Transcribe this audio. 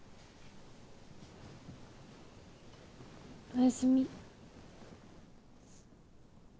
おやすみ。